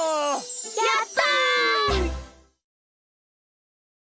やった！